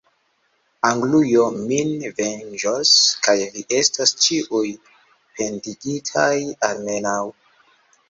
Anglujo min venĝos, kaj vi estos ĉiuj pendigitaj, almenaŭ!